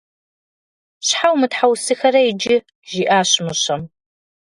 Щхьэ умытхьэусыхэрэ иджы? – жиӏащ мыщэм.